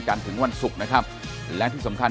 โปรดติดตามต่อไป